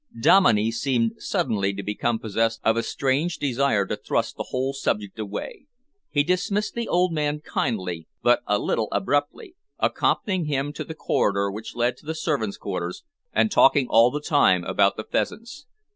Dominey seemed suddenly to become possessed of a strange desire to thrust the whole subject away. He dismissed the old man kindly but a little abruptly, accompanying him to the corridor which led to the servants' quarters and talking all the time about the pheasants.